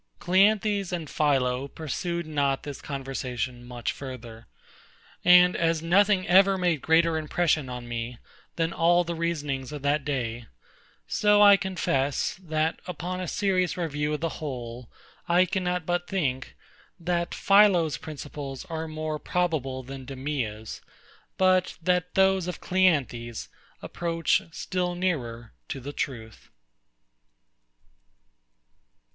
CLEANTHES and PHILO pursued not this conversation much further: and as nothing ever made greater impression on me, than all the reasonings of that day, so I confess, that, upon a serious review of the whole, I cannot but think, that PHILO's principles are more probable than DEMEA's; but that those of CLEANTHES approach still nearer to the truth.